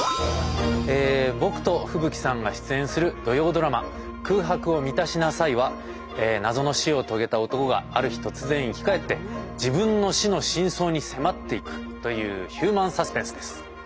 僕と風吹さんが出演する土曜ドラマ「空白を満たしなさい」は謎の死を遂げた男がある日突然生き返って自分の死の真相に迫っていくというヒューマン・サスペンスです。